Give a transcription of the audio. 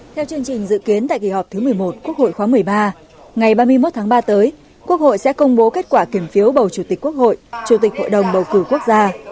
theo chương trình dự kiến tại kỳ họp thứ một mươi một quốc hội khóa một mươi ba ngày ba mươi một tháng ba tới quốc hội sẽ công bố kết quả kiểm phiếu bầu chủ tịch quốc hội chủ tịch hội đồng bầu cử quốc gia